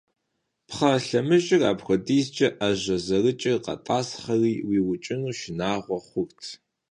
Пхъэ лъэмыжыр, апхуэдиз Ӏэжьэ зэрыкӀыр, къэтӀасхъэрти, уикӀыну шынагъуэ хъурт.